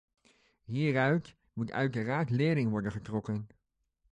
Hieruit moet uiteraard lering worden getrokken.